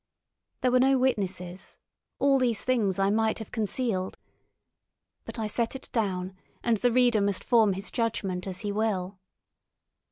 There were no witnesses—all these things I might have concealed. But I set it down, and the reader must form his judgment as he will.